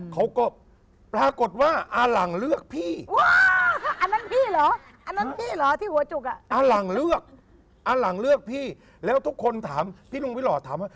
เขาก็ปรากฏว่าอาหลังเลือกพี่อาหลังเลือกพี่แล้วทุกคนถามพี่ลุงวิหล่อถามว่า